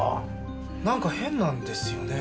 なんか変なんですよね。